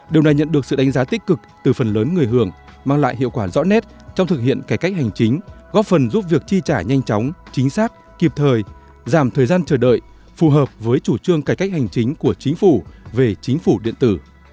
điều này nhận được sự đánh giá tích cực từ phần lớn người hưởng mang lại hiệu quả rõ nét trong thực hiện cải cách hành chính góp phần giúp việc chi trả nhanh chóng chính xác kịp thời giảm thời gian chờ đợi phù hợp với chủ trương cải cách hành chính của chính phủ về chính phủ điện tử